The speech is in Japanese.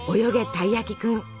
たいやきくん」。